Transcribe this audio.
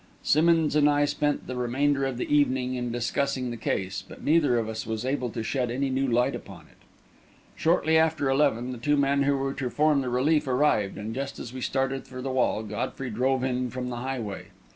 Simmonds and I spent the remainder of the evening in discussing the case, but neither of us was able to shed any new light upon it. Shortly after eleven, the two men who were to form the relief arrived, and just as we started for the wall, Godfrey drove in from the highway.